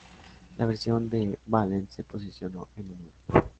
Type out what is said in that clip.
La versión de Valens se posicionó en el No.